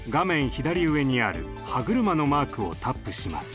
左上にある歯車のマークをタップします。